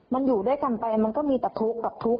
มันอยู่ด้วยกันไปมันก็มีแต่ทุกข์กับทุกข์